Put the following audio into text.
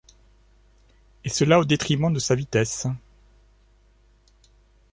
et cela au détriment de sa vitesse.